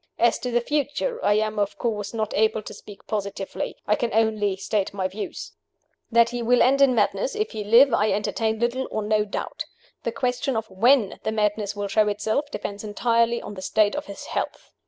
"As to the future, I am, of course, not able to speak positively. I can only state my views. "That he will end in madness (if he live), I entertain little or no doubt. The question of when the madness will show itself depends entirely on the state of his health.